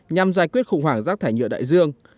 nhằm giải quyết khủng hoảng rác thải nhựa đại dương